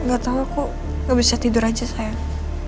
gak tau aku gak bisa tidur aja sayang